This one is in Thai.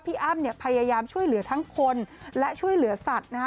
อ้ำเนี่ยพยายามช่วยเหลือทั้งคนและช่วยเหลือสัตว์นะฮะ